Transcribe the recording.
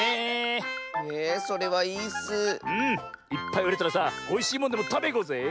いっぱいうれたらさおいしいものでもたべにいこうぜ！